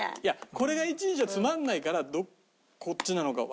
これが１位じゃつまんないからこっちなのか。